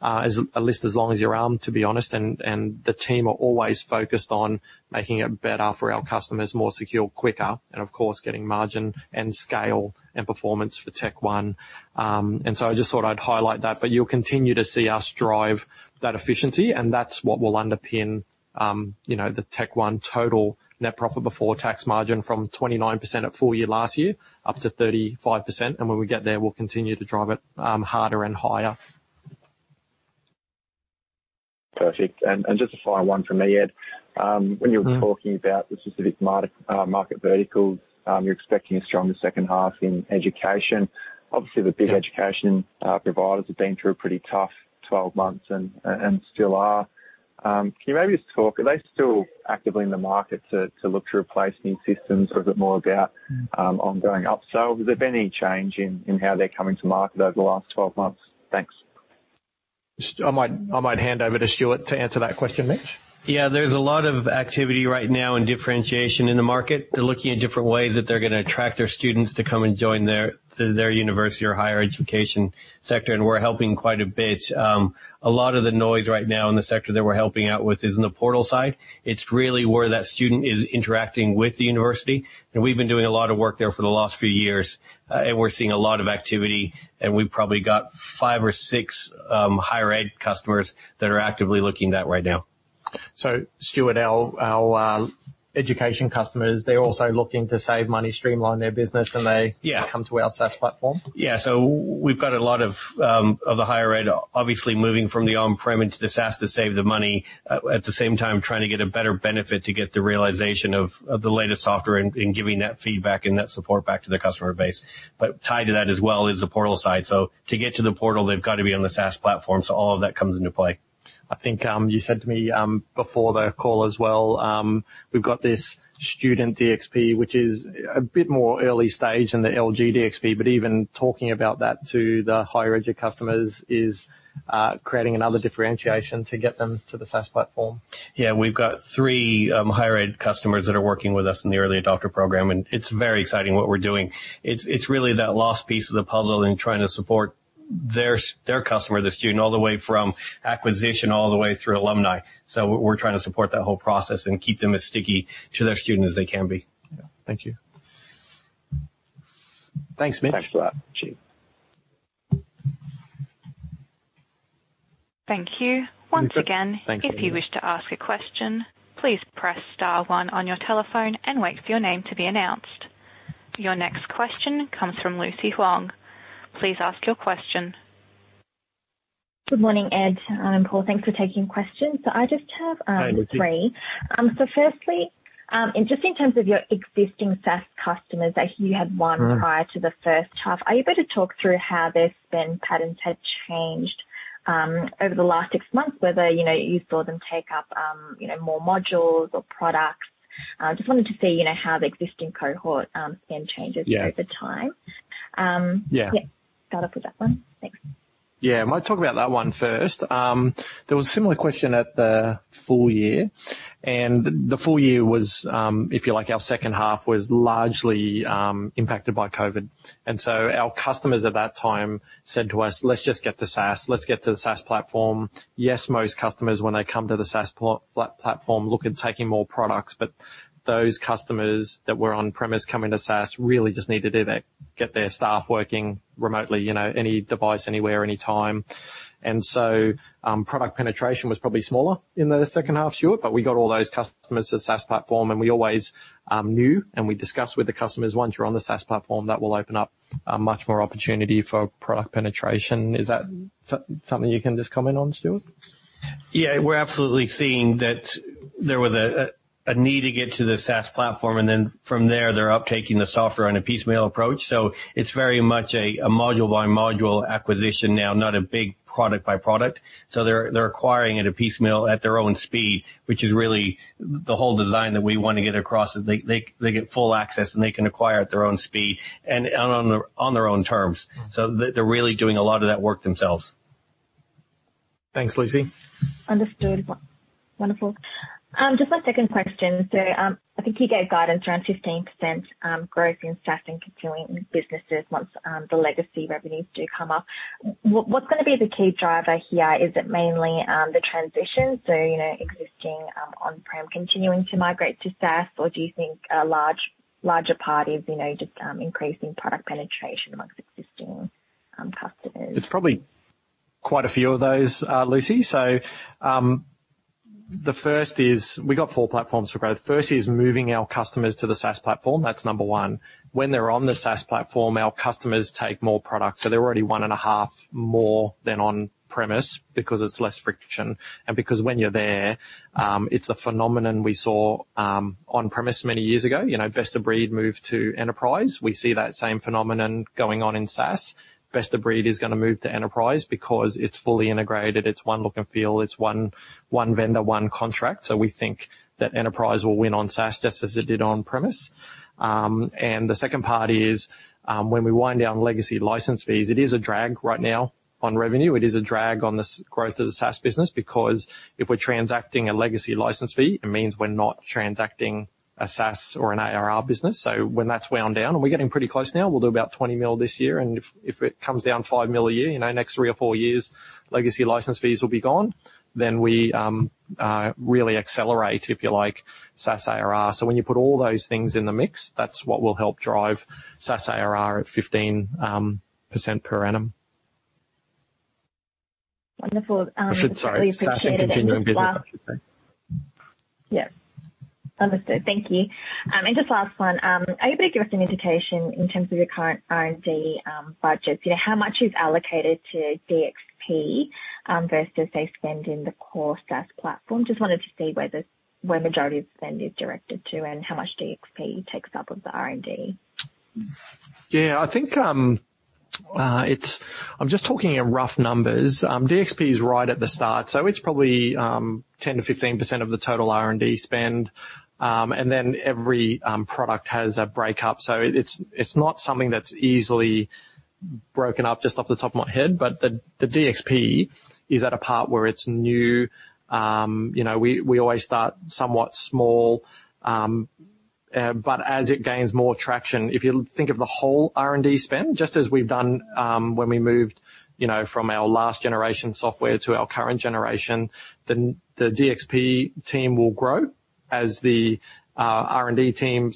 A list as long as your arm, to be honest, the team are always focused on making it better for our customers, more secure, quicker, and of course, getting margin and scale and performance for Tech1. So, I just thought I'd highlight that. You'll continue to see us drive that efficiency, and that's what will underpin the Tech1 total net profit before tax margin from 29% at full year last year up to 35%. When we get there, we'll continue to drive it harder and higher. Perfect, and just a final one from me, Ed. When you were talking about the specific market verticals, you're expecting a stronger second half in education. Obviously, the big education providers have been through a pretty tough 12 months and still are. Can you maybe just talk, are they still actively in the market to look to replace new systems or a bit more about ongoing upsell? Has there been any change in how they're coming to market over the last 12 months? Thanks. I might hand over to Stuart to answer that question, Mitch. Yeah, there's a lot of activity right now and differentiation in the market. They're looking at different ways that they're going to attract their students to come and join their university or higher education sector, and we're helping quite a bit. A lot of the noise right now in the sector that we're helping out with is in the portal side. It's really where that student is interacting with the university, and we've been doing a lot of work there for the last few years, and we're seeing a lot of activity, and we've probably got five or six higher ed customers that are actively looking at that right now. Stuart, our education customers, they're also looking to save money, streamline their business- Yeah.... come to our SaaS platform. Yeah, we've got a lot of the higher ed obviously moving from the on-prem into the SaaS to save the money, at the same time, trying to get a better benefit to get the realization of the latest software and giving that feedback and that support back to the customer base. Tied to that as well is the portal side, to get to the portal, they've got to be on the SaaS platform. All of that comes into play. I think you said to me before the call as well, we've got this student DXP, which is a bit more early stage than the DXP LG. Even talking about that to the higher ed customers is creating another differentiation to get them to the SaaS platform. Yeah, we've got three higher ed customers that are working with us in the early adopter program. It's very exciting what we're doing. It's really that last piece of the puzzle in trying to support their customer, the student, all the way from acquisition all the way through alumni. We're trying to support that whole process and keep them as sticky to their students as they can be. Thank you. Thanks, Mitch. Thanks for that, G. Thank you, once again, if you wish to ask a question, please press star one on your telephone and wait for your name to be announced. Your next question comes from Lucy Huang, please ask your question. Good morning, Ed and Paul, thanks for taking questions, I just have three. Hi, Lucy. Firstly, just in terms of your existing SaaS customers, I think you had one prior to the first half. Are you able to talk through how their spend patterns have changed over the last six months, whether you saw them take up more modules or products? I just wanted to see how the existing cohort spend changes over time. Yeah. That was it for that one, thanks. Yeah, I might talk about that one first. There was a similar question at the full year. The full year was, if you like, our second half was largely impacted by COVID. Our customers at that time said to us, "Let's just get to SaaS. Let's get to the SaaS platform." Yes, most customers when they come to the SaaS platform look at taking more products. Those customers that were on-premise coming to SaaS really just needed to get their staff working remotely, any device, anywhere, anytime. Product penetration was probably smaller in the second half, Stuart, but we got all those customers to the SaaS platform, and we always knew, and we discussed with the customers once you're on the SaaS platform, that will open up much more opportunity for product penetration. Is that something you can just comment on, Stuart? Yeah, we're absolutely seeing that there was a need to get to the SaaS platform, and then from there they're up taking the software in a piecemeal approach. It's very much a module-by-module acquisition now, not a big product by product. They're acquiring it a piecemeal at their own speed, which is really the whole design that we want to get across is they get full access, and they can acquire at their own speed and on their own terms. They're really doing a lot of that work themselves. Thanks, Lucy. Understood, wonderful. Just my second question, I think you gave guidance around 15% growth in SaaS and continuing businesses once the legacy revenues do come up. What's going to be the key driver here? Is it mainly the transition, so existing on-prem continuing to migrate to SaaS? Do you think larger part is just increasing product penetration amongst existing customers? It's probably quite a few of those, Lucy. The first is we've got four platforms to grow. The first is moving our customers to the SaaS platform. That's number one. When they're on the SaaS platform, our customers take more products. They're already one and a half more than on-premise because it's less friction and because when you're there, it's a phenomenon we saw on-premise many years ago. Best of breed moved to enterprise. We see that same phenomenon going on in SaaS. Best of breed is going to move to enterprise because it's fully integrated. It's one look and feel. It's one vendor, one contract. We think that enterprise will win on SaaS just as it did on-premise. The second part is when we wind down legacy license fees, it is a drag right now on revenue. It is a drag on the growth of the SaaS business because if we're transacting a legacy license fee, it means we're not transacting a SaaS or an ARR business. When that's wound down, and we're getting pretty close now, we'll do about 20 million this year, and if it comes down 5 million a year, next three or four years, legacy license fees will be gone. We really accelerate, if you like, SaaS ARR. When you put all those things in the mix, that's what will help drive SaaS ARR at 15% per annum. Wonderful. I should say SaaS and continuing businesses. Yeah, understood, thank you. Just last one, I think you gave us an indication in terms of your current R&D budgets. How much is allocated to DXP versus say, spend in the core SaaS platform? Just wanted to see where the majority of spend is directed to and how much DXP takes up of the R&D. Yeah, I think, just talking in rough numbers. DXP is right at the start. It's probably 10%-15% of the total R&D spend. Every product has a breakup. It's not something that's easily broken up just off the top of my head. The DXP is at a part where it's new. We always start somewhat small. As it gains more traction, if you think of the whole R&D spend, just as we've done when we moved from our last generation software to our current generation, the DXP team will grow as the R&D team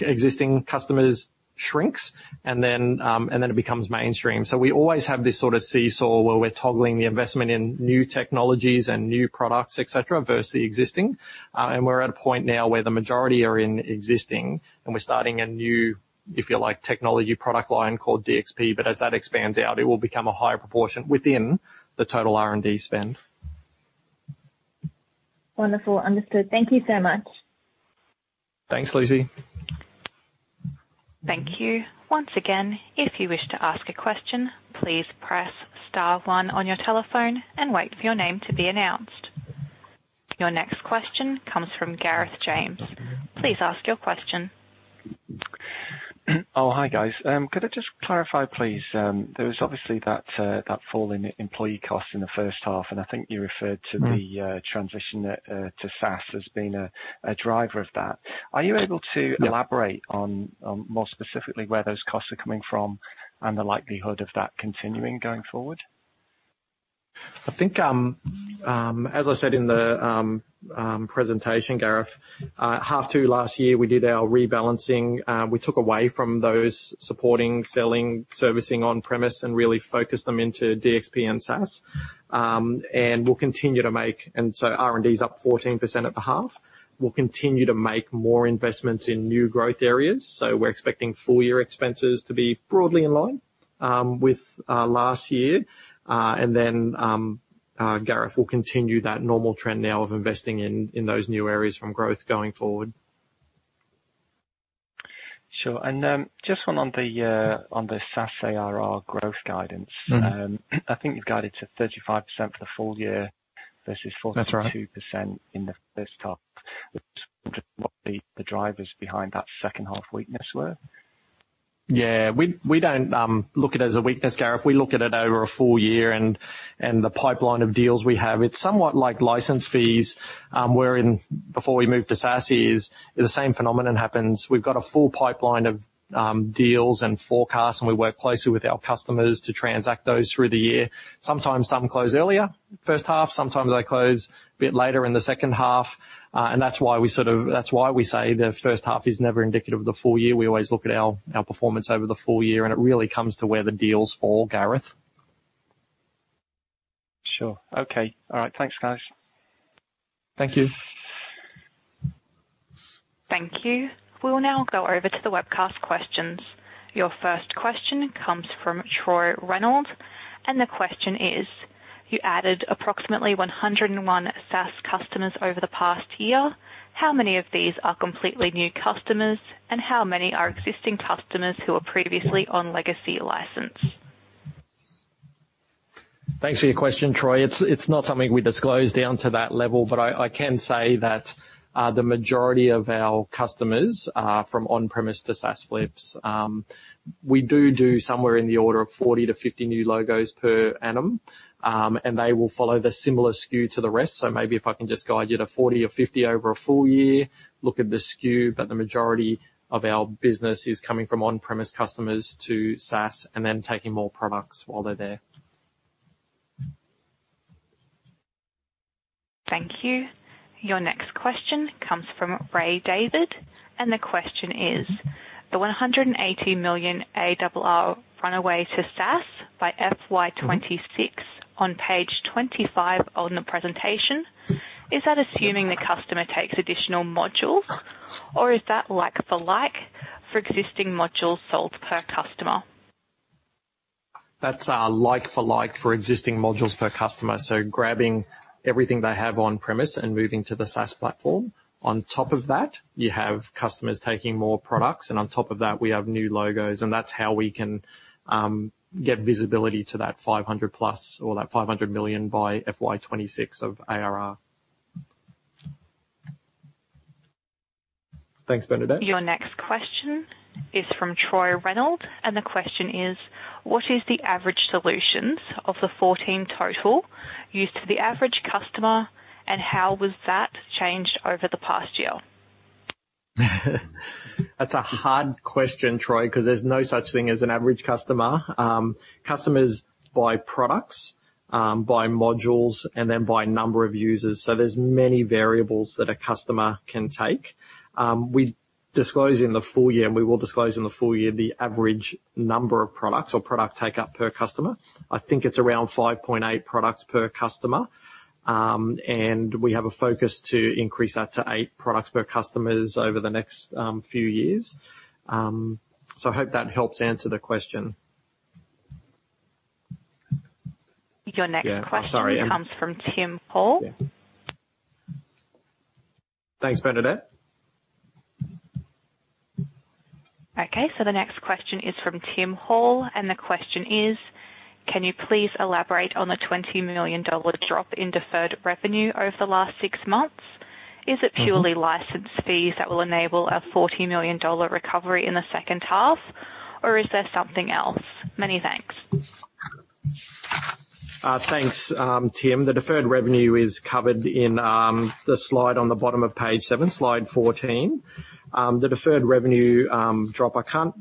existing customers shrinks, and then it becomes mainstream. We always have this seesaw where we're toggling the investment in new technologies and new products, et cetera, versus the existing. We're at a point now where the majority are in existing, and we're starting a new, if you like, technology product line called DXP. As that expands out, it will become a higher proportion within the total R&D spend. Wonderful, understood, thank you so much. Thanks, Lucy. Thank you, once again, if you wish to ask a question, please press star one on your telephone and wait for your name to be announced. Your next question comes from Gareth James, please ask your question. Oh, hi, guys. Could I just clarify, please, there was obviously that fall in employee cost in the first half, and I think you referred to the transition to SaaS as being a driver of that. Are you able to elaborate on more specifically where those costs are coming from and the likelihood of that continuing going forward? I think, as I said in the presentation, Gareth, half two last year, we did our rebalancing. We took away from those supporting, selling, servicing on-premise and really focused them into DXP and SaaS. R&D is up 14% at the half. We'll continue to make more investments in new growth areas. We're expecting full-year expenses to be broadly in line with last year. Gareth, we'll continue that normal trend now of investing in those new areas from growth going forward. Sure, just on the SaaS ARR growth guidance. I think you guided to 35% for the full year versus 42%- That's right.... in the first half, just what the drivers behind that second half weakness were? Yeah, we don't look at it as a weakness, Gareth. We look at it over a full year and the pipeline of deals we have. It's somewhat like license fees, wherein before we moved to SaaS is the same phenomenon happens. We've got a full pipeline of deals and forecasts, and we work closely with our customers to transact those through the year. Sometimes some close earlier, first half, sometimes they close a bit later in the second half. That's why we say the first half is never indicative of the full year. We always look at our performance over the full year, and it really comes to where the deals fall, Gareth. Sure, okay, all right. Thanks, guys. Thank you. Thank you, we'll now go over to the webcast questions. Your first question comes from Troy Reynold, and the question is: You added approximately 101 SaaS customers over the past year. How many of these are completely new customers and how many are existing customers who were previously on legacy license? Thanks for your question, Troy. It's not something we disclose down to that level, but I can say that the majority of our customers from on-premise to SaaS flips, we do somewhere in the order of 40 to 50 new logos per annum, and they will follow the similar skew to the rest. Maybe if I can just guide you to 40 or 50 over a full year, look at the skew, but the majority of our business is coming from on-premise customers to SaaS, and then taking more products while they're there. Thank you, your next question comes from Ray David. The question is: The 180 million ARR run rate to SaaS by FY 2026 on page 25 on the presentation, is that assuming the customer takes additional modules, or is that like for like for existing modules sold per customer? That's like for like for existing modules per customer. grabbing everything they have on-premise and moving to the SaaS platform. On top of that, you have customers taking more products. On top of that, we have new logos, and that's how we can get visibility to that 500,000+ or that 500 million by FY 2026 of ARR. Thanks, Bernadette. Your next question is from Troy Reynolds. The question is: What is the average solutions of the 14 total used to the average customer, and how has that changed over the past year? That's a hard question, Troy, because there's no such thing as an average customer. Customers buy products, buy modules, and then by number of users. There's many variables that a customer can take. We disclose in the full year, and we will disclose in the full year the average number of products or product take up per customer. I think it's around 5.8 products per customer. We have a focus to increase that to eight products per customers over the next few years. I hope that helps answer the question. Your next question comes from Tim Hall. Thanks, Bernadette. The next question is from Tim Hall: Can you please elaborate on the 20 million dollar drop in deferred revenue over the last six months? Is it purely license fees that will enable an 40 million dollar recovery in the second half, or is there something else? Many thanks. Thanks, Tim. The deferred revenue is covered in the slide on the bottom of page seven, slide 14. The deferred revenue drop, I can't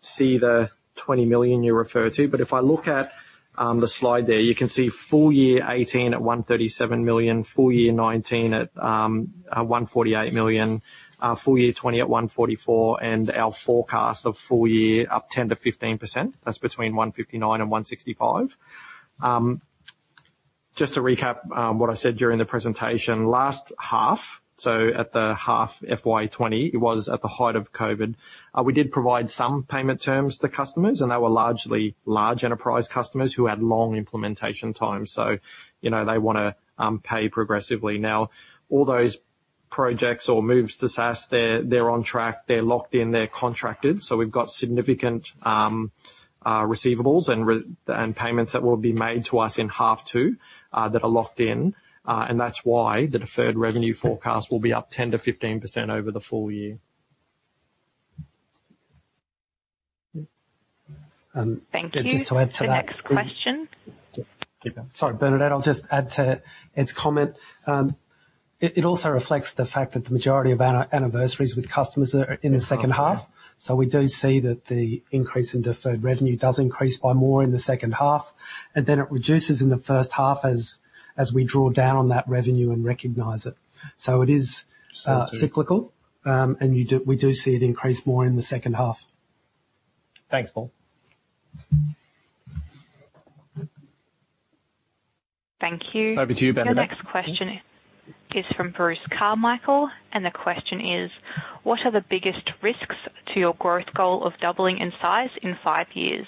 see the 20 million you refer to, but if I look at the slide there, you can see full year 2018 at 137 million, full year 2019 at 148 million, full year 2020 at 144 million, and our forecast of full year up 10%-15%. That's between 159 million and 165 million. Just to recap what I said during the presentation, last half, so at the half FY 2020, it was at the height of COVID. We did provide some payment terms to customers, and they were largely large enterprise customers who had long implementation time. They want to pay progressively. Now, all those projects or moves to SaaS, they're on track, they're locked in, they're contracted. We've got significant receivables and payments that will be made to us in half two that are locked in, and that's why the deferred revenue forecast will be up 10%-15% over the full year. Thank you, the next question. Sorry, Bernadette, I'll just add to Ed's comment. It also reflects the fact that the majority of our anniversaries with customers are in the second half. We do see that the increase in deferred revenue does increase by more in the second half, and then it reduces in the first half as we draw down that revenue and recognize it. It is cyclical, and we do see it increase more in the second half. Thanks, Paul. Thank you. Over to you, Bernadette. The next question is from Bruce Carmichael, and the question is: What are the biggest risks to your growth goal of doubling in size in five years?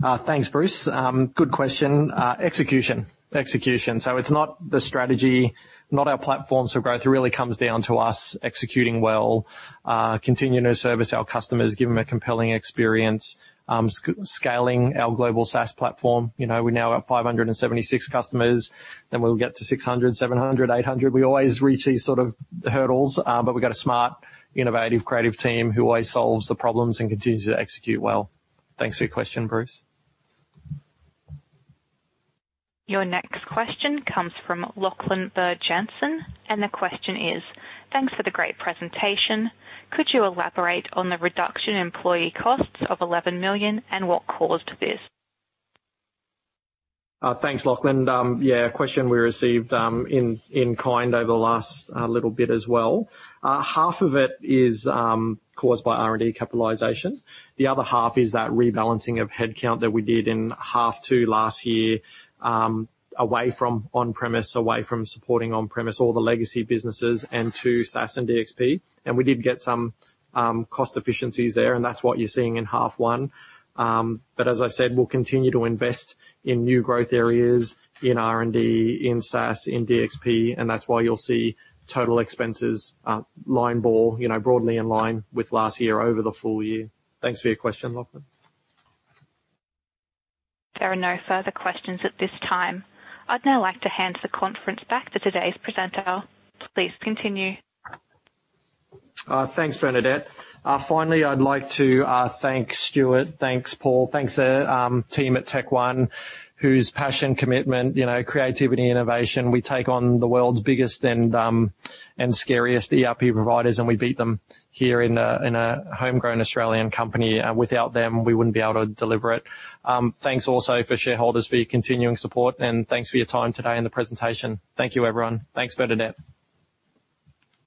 Thanks, Bruce, good question. Execution, it's not the strategy, not our platforms for growth. It really comes down to us executing well, continuing to service our customers, giving them a compelling experience, scaling our global SaaS platform. We now have 576 customers, then we'll get to 600, 700, 800. We always reach these sort of hurdles. We've got a smart, innovative, creative team who always solves the problems and continues to execute well. Thanks for your question, Bruce. Your next question comes from Lachlan Berg Jansen. The question is: Thanks for the great presentation. Could you elaborate on the reduction in employee costs of 11 million and what caused this? Thanks, Lachlan. Yeah, a question we received in kind over the last little bit as well. Half of it is caused by R&D capitalization. The other half is that rebalancing of headcount that we did in half two last year, away from on-premise, away from supporting on-premise, all the legacy businesses, and to SaaS and DXP. We did get some cost efficiencies there, and that's what you're seeing in half one. As I said, we'll continue to invest in new growth areas in R&D, in SaaS, in DXP, and that's why you'll see total expenses line ball broadly in line with last year over the full year. Thanks for your question, Lachlan. There are no further questions at this time. I'd now like to hand the conference back to today's presenter, please continue. Thanks, Bernadette. Finally, I'd like to thank Stuart, thanks, Paul, thanks team at Tech1, whose passion, commitment, creativity, innovation, we take on the world's biggest and scariest ERP providers, and we beat them here in a homegrown Australian company. Without them, we wouldn't be able to deliver it. Thanks also for shareholders for your continuing support, and thanks for your time today and the presentation, thank you, everyone, thanks, Bernadette.